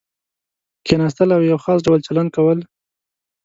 کېناستل او یو خاص ډول چلند کول.